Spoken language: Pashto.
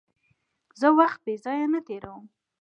زه وخت بېځایه نه تېرووم.